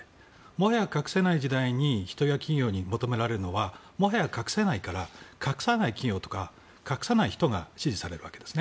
もはや隠せない時代に人や企業に求められるのはもはや隠せないから隠さない企業とか隠さない人が支持されるわけです。